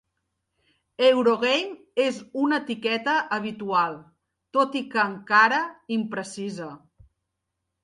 Eurogame és una etiqueta habitual, tot i que encara imprecisa.